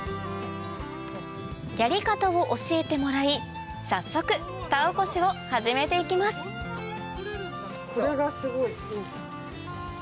やり方を教えてもらい早速田起こしを始めて行きますすごい。